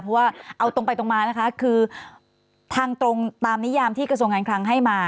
เพราะว่าเอาตรงไปตรงมานะคะคือทางตรงตามนิยามที่กระทรวงการคลังให้มา